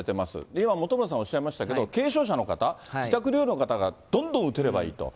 今、本村さんおっしゃいましたけど、軽症者の方、自宅療養の方がどんどん打てればいいと。